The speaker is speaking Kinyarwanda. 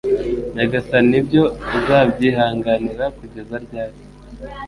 Nyagasani ibyo uzabyihanganira kugeza ryari?